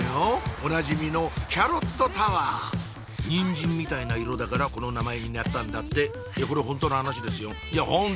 おなじみのキャロットタワーニンジンみたいな色だからこの名前になったんだってこれホントの話ですよいやホント！